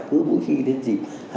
cứ mỗi khi đến dịp